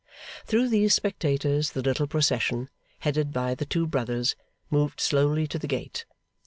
Through these spectators the little procession, headed by the two brothers, moved slowly to the gate.